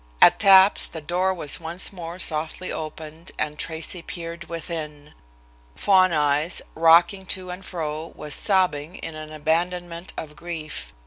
At taps the door was once more softly opened and Tracy peered within. Fawn Eyes, rocking to and fro, was sobbing in an abandonment of grief.